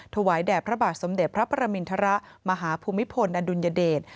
ถวายแด่พระบาทสมเด็จพระประมินทรมาหาภูมิพลอดุลยเดช